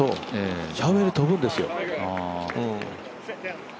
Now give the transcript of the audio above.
シャウフェレ飛ぶんですよ。